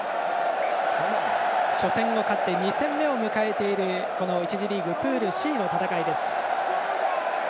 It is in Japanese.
初戦を勝って２戦目を迎えている１次リーグ、プールＣの戦い。